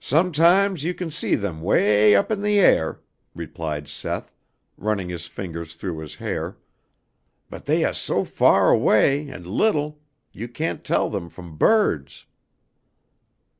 "Sometimes you can see them 'way up in the air," replied Seth, running his fingers through his hair, "but they ah so fah away and little, you can't tell them from birds."